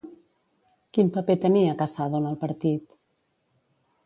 Quin paper tenia Casado en el partit?